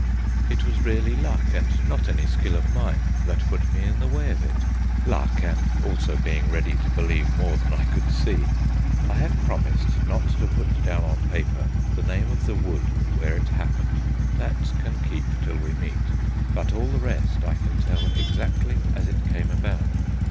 It was really luck, and not any skill of mine, that put me in the way of it; luck, and also being ready to believe more than I could see. I have promised not to put down on paper the name of the wood where it happened: that can keep till we meet; but all the rest I can tell exactly as it came about.